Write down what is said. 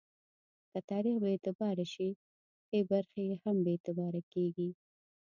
که تاریخ بې اعتباره شي، ښې برخې یې هم بې اعتباره کېږي.